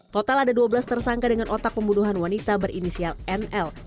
total ada dua belas tersangka dengan otak pembunuhan wanita berinisial nl